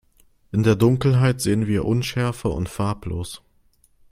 In der Dunkelheit sehen wir unschärfer und farblos.